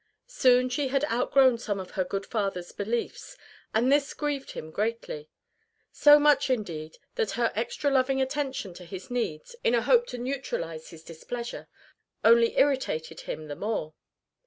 Soon she had outgrown some of her good father's beliefs, and this grieved him greatly; so much, indeed, that her extra loving attention to his needs, in a hope to neutralize his displeasure, only irritated him the more.